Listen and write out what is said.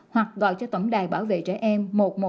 hoặc gọi cho tổng đài bảo vệ trẻ em một trăm một mươi một